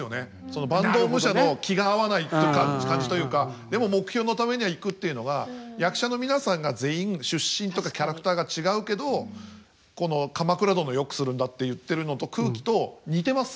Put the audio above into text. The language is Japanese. その坂東武者の気が合わない感じというかでも目標のためにはいくというのが役者の皆さんが全員出身とかキャラクターが違うけどこの「鎌倉殿」をよくするんだって言ってるのと空気と似てます。